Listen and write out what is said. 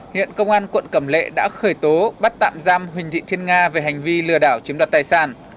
hiện công an quận cẩm lệ đã khởi tố bắt tạm giam huỳnh thị thiên nga về hành vi lừa đảo chiếm đoạt tài sản